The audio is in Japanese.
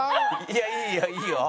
いやいいよいいよ。